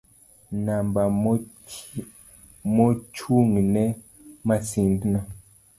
Namba mochung'ne masindno